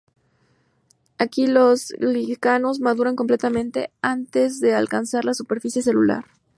Aquí los N-glicanos maduran completamente antes de alcanzar la superficie celular.